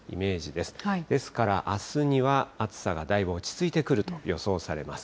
ですからあすには、暑さがだいぶ落ち着いてくると予想されます。